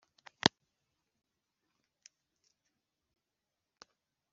Batangije Ibikorwa b’ ingabo z’igihugu mu cyumweru cyahariwe ingabo